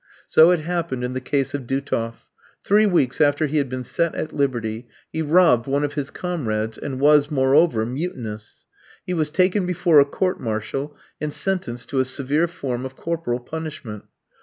So it happened in the case of Dutoff. Three weeks after he had been set at liberty, he robbed one of his comrades, and was, moreover, mutinous. He was taken before a court martial and sentenced to a severe form of corporal punishment.